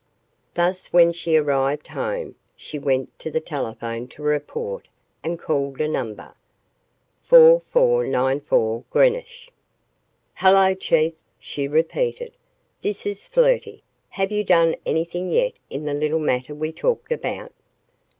Thus when she arrived home, she went to the telephone to report and called a number, 4494 Greenwich. "Hello, Chief," she repeated. "This is Flirty. Have you done anything yet in the little matter we talked about?"